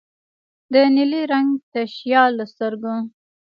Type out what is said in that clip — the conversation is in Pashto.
د نیلي رنګه تشیال له سترګو